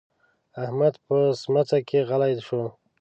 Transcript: احمد په ښمڅه کې غلی شو.